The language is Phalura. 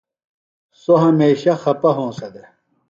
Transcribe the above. سوۡ ہمیشہ خپہ ہونسہ دےۡ۔